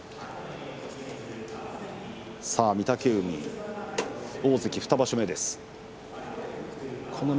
御嶽海、大関２場所目。